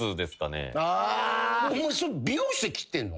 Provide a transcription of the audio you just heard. お前それ美容室で切ってんの？